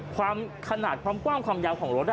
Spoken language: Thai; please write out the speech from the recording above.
ความขนาดความกว้างความยาวของรถ